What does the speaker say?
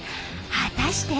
果たして。